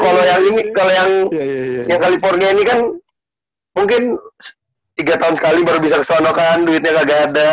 kalo yang ini kalo yang kalifornia ini kan mungkin tiga tahun sekali baru bisa kesono kan duitnya kagak ada